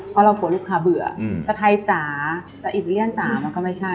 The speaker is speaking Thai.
เพราะเรากลัวลูกค้าเบื่อตะไทยจ๋าจะอิตาเลียนจ๋ามันก็ไม่ใช่